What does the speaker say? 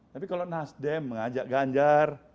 tapi kalau nasdem mengajak ganjar